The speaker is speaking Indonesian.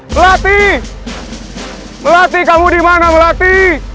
melati melati kamu dimana melati